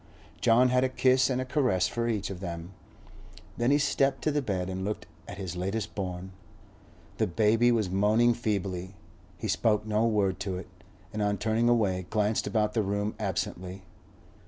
John had a kiss and a caress for each of them; then he stepped to the bed and looked at his latest born. The baby was moaning feebly; he spoke no word to it, and on turning away glanced about the room absently.